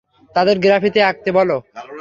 তাদের গ্রাফিতি আঁকতে বলো।